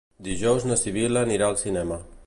Dijous na Sibil·la anirà al cinema.